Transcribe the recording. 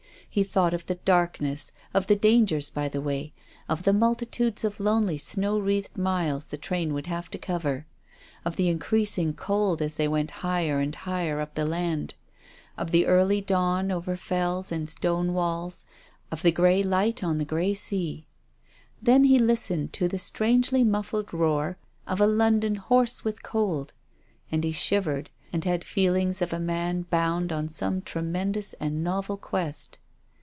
He thought of the darkness, of the dan gers by the way, of the multitudes of lonely snow wreathed miles the train would have to cover ; of the increasing cold as they went higher and higher up the land, of the early dawn over fells and stone walls, of the grey light on the grey sea. Then he listened to the strangely muffled roar of a London hoarse with cold. And he shivered and had feel ings of a man bound on some tremendous and novel quest.